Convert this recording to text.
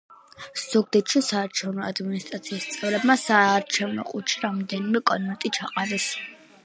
ზუგდიდში საარჩევნო ადმინისტრაციის წევრებმა საარჩევნო ყუთში რამდენიმე კონვერტი ჩაყარეს.